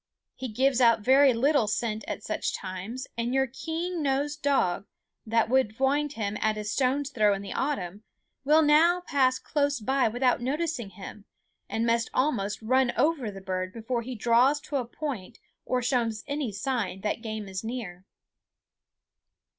He gives out very little scent at such times, and your keen nosed dog, that would wind him at a stone's throw in the autumn, will now pass close by without noticing him, and must almost run over the bird before he draws to a point or shows any signs that game is near.